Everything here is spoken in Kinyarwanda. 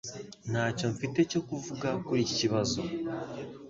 Ntacyo mfite cyo kuvuga kuri iki kibazo.